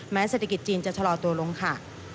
เศรษฐกิจจีนจะชะลอตัวลงค่ะ